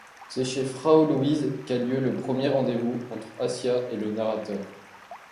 C'est chez Frau Louise qu'a lieu le premier rendez-vous entre Assia et le narrateur.